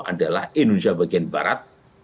adalah indonesia bagian barat